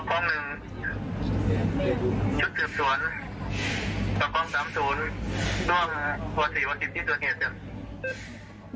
ประกอบหนึ่งยุทธศวรรษประกอบสามศูนย์ร่วมวันสี่วันสิบที่ส่วนเกษตร